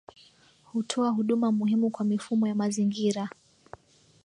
Hutoa huduma muhimu kwa mifumo ya mazingira